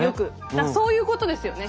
だからそういうことですよね。